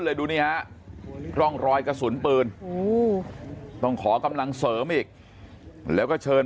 ดูนี่ฮะร่องรอยกระสุนปืนต้องขอกำลังเสริมอีกแล้วก็เชิญ